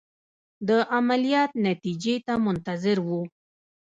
د عملیات نتیجې ته منتظر وو.